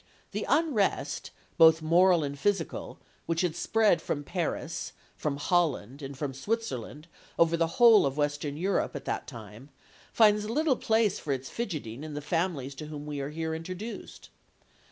The unrest, both moral and physical, which had spread from Paris, from Holland, and from Switzerland over the whole of Western Europe at that time, finds little place for its fidgeting in the families to whom we are here introduced.